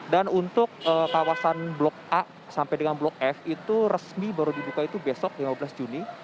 untuk kawasan blok a sampai dengan blok f itu resmi baru dibuka itu besok lima belas juni